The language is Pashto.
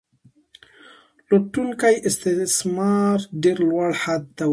لوټونکی استثمار ډیر لوړ حد ته ورسید.